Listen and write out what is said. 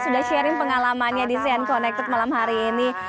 sudah sharing pengalamannya di sen connected malam hari ini